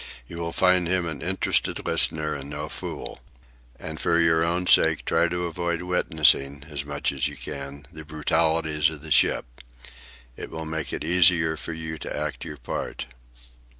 You will find him an interested listener and no fool. And for your own sake try to avoid witnessing, as much as you can, the brutalities of the ship. It will make it easier for you to act your part."